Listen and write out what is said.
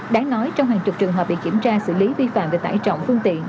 đáng nói trong hàng chục trường hợp bị kiểm tra xử lý vi phạm về tải trọng phương tiện